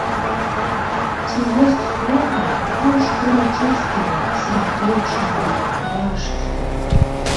Ці ёсць словы больш урачыстыя, святочныя, важкія?